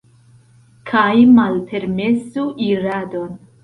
Kaj malpermesu iradon.